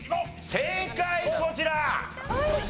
正解こちら！